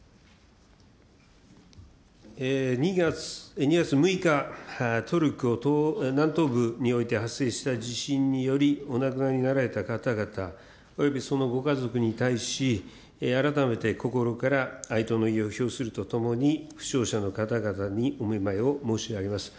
２月６日、トルコ南東部において発生した地震により、お亡くなりになられた方々、およびそのご家族に対し、改めて心から哀悼の意を表するとともに、負傷者の方々にお見舞いを申し上げます。